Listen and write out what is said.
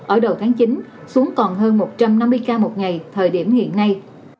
ở đầu tháng chín xuống còn hơn một trăm năm mươi ca một ngày thời điểm hiện nay